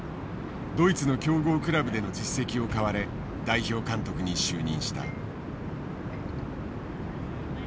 ドイツの強豪クラブでの実績を買われ代表監督に就任した。